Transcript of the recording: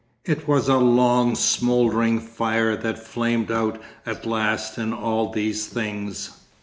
It was a long smouldering fire that flamed out at last in all these things.